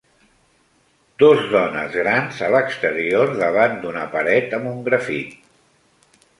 Dos dones grans a l'exterior davant d'una paret amb un grafit.